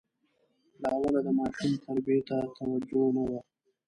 له اوله د ماشوم تربیې ته توجه نه وه.